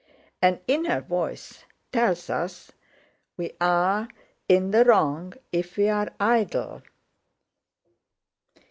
An inner voice tells us we are in the wrong if we are idle.